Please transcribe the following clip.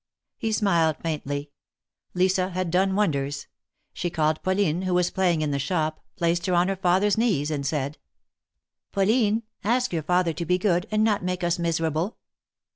He smiled faintly — Lisa had done wonders. She called Pauline, who was playing in the shop, placed her on her father's knees, and said :" Pauline, ask your father to be good, and not make us miserable."